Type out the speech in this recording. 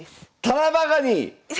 タラバガニ！